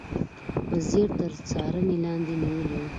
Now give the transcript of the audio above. په ځیر تر څارنې لاندې نیولي و.